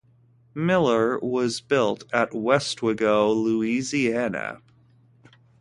"Miller" was built at Westwego, Louisiana.